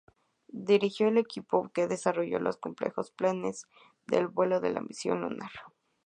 Dirigió el equipo que desarrolló los complejos planes de vuelo de la misión lunar.